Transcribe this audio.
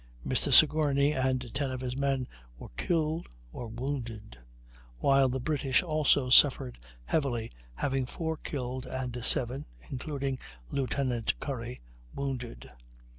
Mr. Sigourney and 10 of his men were killed or wounded, while the British also suffered heavily, having 4 killed and 7 (including Lieutenant Curry) wounded.